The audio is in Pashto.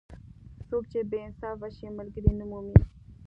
څوک چې بې انصافه شي؛ ملګری نه مومي.